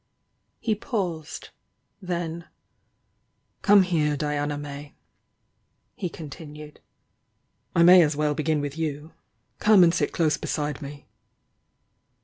He paused, — then: "Come here, Diana May!" he continued — "I may as well begin with you. Come and sit close beside me."